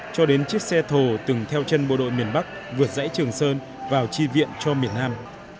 cho đến chiếc xe thồ từng theo chân bộ đội miền bắc vượt dãy trường sơn vào chi viện cho miền nam